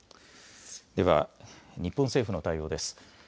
日本政府の対応です。